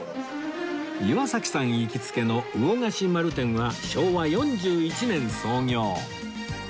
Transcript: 岩崎さん行きつけの魚河岸丸天は昭和４１年創業